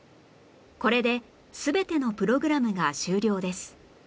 これで全てのプログラムが終了です